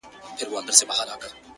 • هم د زرکو هم د سوی په ځان بلا وو ,